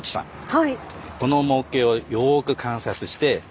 はい。